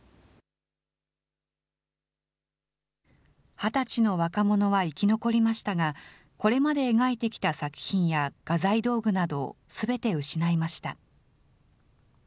２０歳の若者は生き残りましたが、これまで描いてきた作品や画材道具などをすべて失いました。